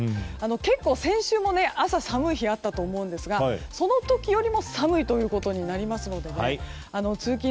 結構、先週も朝寒い日があったと思いますがその時よりも寒いということになりますので通勤